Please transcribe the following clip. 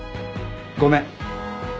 ごめん。